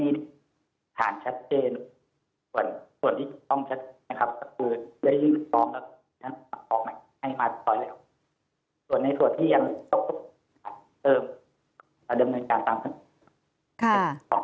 ส่วนที่ต้องชัดเจนคือได้ยืนพร้อมแล้วก็ตัดออกใหม่